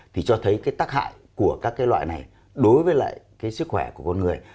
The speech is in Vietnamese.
thì cho thấy cái tác hại của các cái loại này đối với lại cái sức khỏe của con người